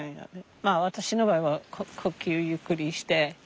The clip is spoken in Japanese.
まあ私の場合は呼吸ゆっくりして。